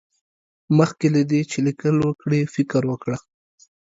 مخکې له دې چې ليکل وکړې، فکر وکړه.